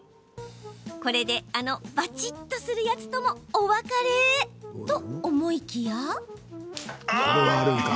これで、あのバチっとするやつともお別れ！と思いきや。